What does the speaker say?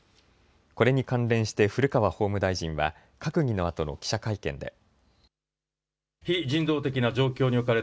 これに関連して古川法務大臣は閣議のあとの記者会見で。